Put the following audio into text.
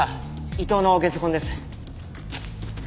伊藤のゲソ痕です。